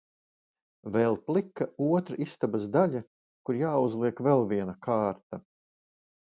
Vēl plika otra istabas daļa, kur jāuzliek vēl viena kārta.